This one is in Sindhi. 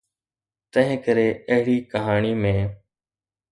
تنهنڪري اهڙي ڪهاڻي ۾.